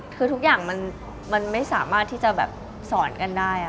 คือทุกอย่างมันไม่สามารถที่จะแบบสอนกันได้